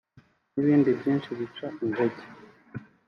n’ibindi byinshi bica intege